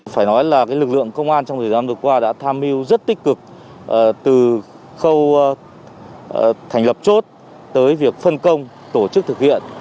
phải nói là lực lượng công an trong thời gian vừa qua đã tham mưu rất tích cực từ khâu thành lập chốt tới việc phân công tổ chức thực hiện